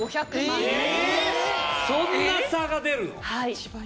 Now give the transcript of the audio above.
はい。